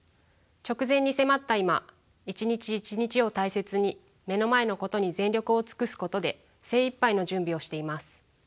直前に迫った今一日一日を大切に目の前のことに全力を尽くすことで精いっぱいの準備をしています。